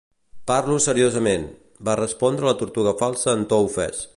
"Parlo seriosament", va respondre la Tortuga Falsa en to ofès.